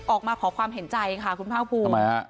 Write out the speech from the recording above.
ออกมาขอความเห็นใจค่ะคุณภาคภูมิ